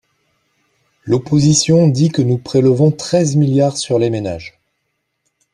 L’opposition dit que nous prélevons treize milliards sur les ménages.